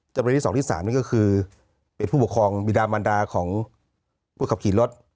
จำนวนที่๒ที่๓นี่ก็คือเป็นผู้ปกครองบิดามันดาของผู้ขับขี่รถ